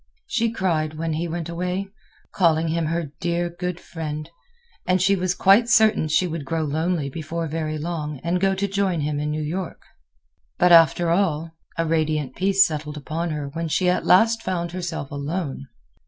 She cried when he went away, calling him her dear, good friend, and she was quite certain she would grow lonely before very long and go to join him in New York. But after all, a radiant peace settled upon her when she at last found herself alone.